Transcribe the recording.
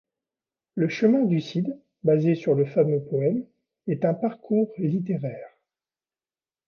Le Chemin du Cid, basé sur le fameux poème, est un parcours littéraire.